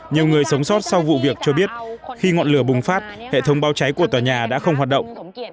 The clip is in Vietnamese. nhiều người sống sót sau vụ việc cho biết khi ngọn lửa bùng phát hệ thống báo cháy của tòa nhà đã không hoạt động